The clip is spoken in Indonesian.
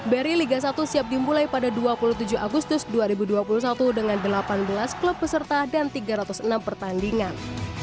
beri liga satu siap dimulai pada dua puluh tujuh agustus dua ribu dua puluh satu dengan delapan belas klub peserta dan tiga ratus enam pertandingan